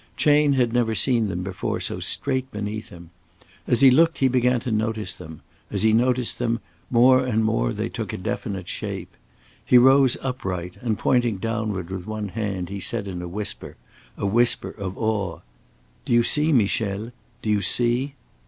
Chayne had never seen them before so straight beneath him. As he looked he began to notice them; as he noticed them, more and more they took a definite shape. He rose upright, and pointing downward with one hand he said in a whisper, a whisper of awe "Do you see, Michel? Do you see?"